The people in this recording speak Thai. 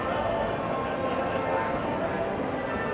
ขอบคุณทุกคนมากครับที่ทุกคนรัก